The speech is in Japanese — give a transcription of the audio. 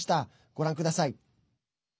ご覧ください。